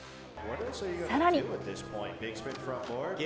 さらに。